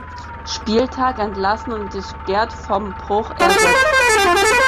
Spieltag entlassen und durch Gerd vom Bruch ersetzt.